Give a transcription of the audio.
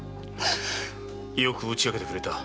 よく打ち明けてくれた。